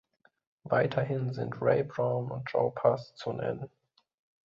Weiterhin sind Ray Brown und Joe Pass zu nennen.